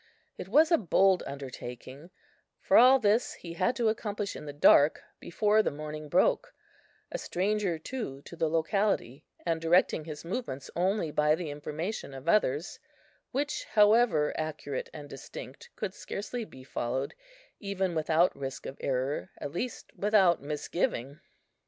It was a bold undertaking; for all this he had to accomplish in the dark before the morning broke, a stranger too to the locality, and directing his movements only by the information of others, which, however accurate and distinct, could scarcely be followed, even if without risk of error, at least without misgiving.